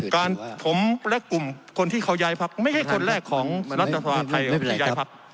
การผมและกลุ่มคนที่เขายายภักดิ์ไม่มีไกลของเนื้อส่วนแหล่งครับ